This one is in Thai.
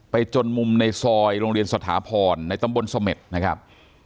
จนมุมในซอยโรงเรียนสถาพรในตำบลเสม็ดนะครับ